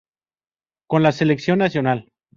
Con la Selección nacional.